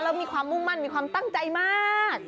แล้วมีความมุ่งมั่นมีความตั้งใจมาก